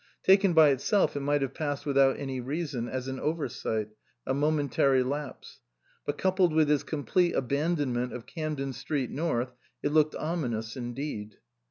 Taken by itself it might have passed without any reason, as an oversight, a momentary lapse ; but coupled with his complete abandonment of Camden Street North it looked ominous indeed.